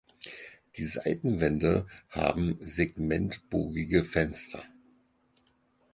Die Seitenwände haben segmentbogige Fenster.